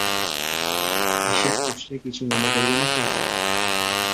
হিসেব কষলে কিছু মনে করবে না তো?